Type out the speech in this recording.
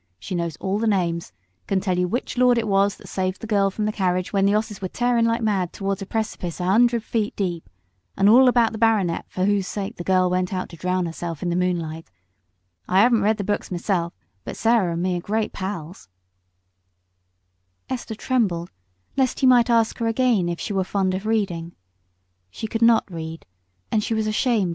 She knows all the names, can tell you which lord it was that saved the girl from the carriage when the 'osses were tearing like mad towards a precipice a 'undred feet deep, and all about the baronet for whose sake the girl went out to drown herself in the moonlight, I 'aven't read the books mesel', but Sarah and me are great pals," Esther trembled lest he might ask her again if she were fond of reading; she could not read.